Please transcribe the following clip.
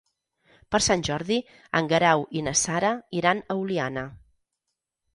Per Sant Jordi en Guerau i na Sara iran a Oliana.